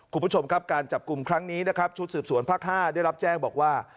คุณผู้ชมครับการจับกลุ่มครั้งนี้นะครับชุดสืบสวนภาค๕ได้รับแจ้งบอกว่า